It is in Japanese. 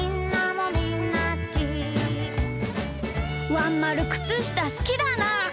「ワンまるくつしたすきだなー。